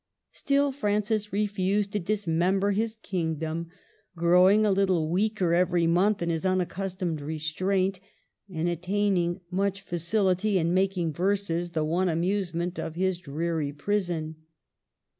Still Francis refused to dismember his kingdom ; growing a little weaker every month in his unaccustomed restraint, and at taining much facility in making verses, the one amusement of his dreary prison.